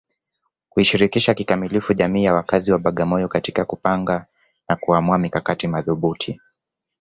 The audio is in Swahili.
kuishirikisha kikamilifu jamii ya wakazi wa Bagamoyo katika kupanga na kuamua mikakati madhubuti